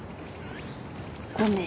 ごめん。